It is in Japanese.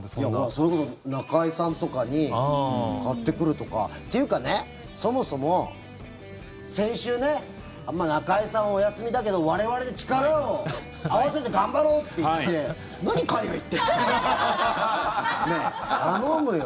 それこそ中居さんとかに買ってくるとか。というかね、そもそも先週、中居さんお休みだけど我々で力を合わせて頑張ろうって言って何、海外行ってんの？ねえ、頼むよ。